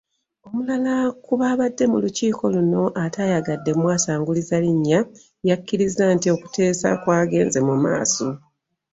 Omulala ku baabadde mu lukiiko luno ataayagadde mwasanguza linnya, yakkiriza nti okuteesa kwagenze mu maaso.